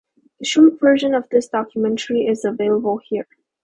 A short version of this documentary is available here.